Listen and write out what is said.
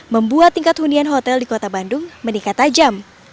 membuat tingkat hunian hotel di kota bandung meningkat tajam